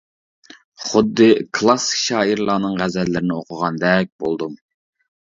خۇددى كىلاسسىك شائىرلارنىڭ غەزەللىرىنى ئوقۇغاندەك بولدۇم.